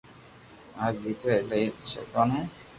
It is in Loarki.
مارا ديڪرا ايلائي ݾيطئن ھي